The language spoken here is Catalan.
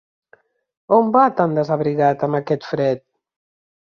On va tan desabrigat, amb aquest fred?